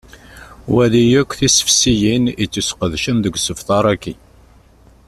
Wali akk tisefsiyin ittusqedcen deg usebter-agi.